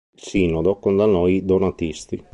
Il sinodo condannò i donatisti.